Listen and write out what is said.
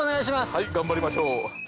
はい頑張りましょう。